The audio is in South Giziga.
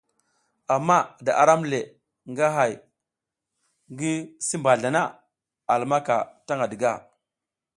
Ama da aram le nga hay ngi si mbazla na a lumaka tan à diga.